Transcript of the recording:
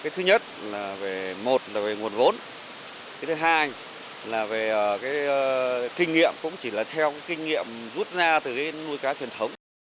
thứ hai là về kinh nghiệm cũng chỉ là theo kinh nghiệm rút ra từ nuôi cá truyền thống